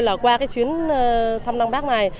là qua cái chuyến thăm lăng bắc này